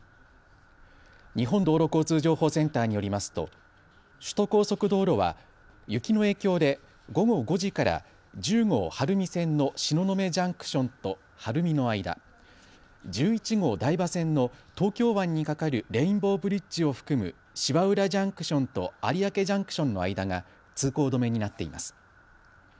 日本道路交通情報センターによりますと、首都高速道路は雪の影響で午後５時から１０号晴海線の東雲ジャンクションと晴海の間、１１号台場線の東京湾に架かるレインボーブリッジを含む芝浦ジャンクションと有明ジャンクションの間が通行止めになっています。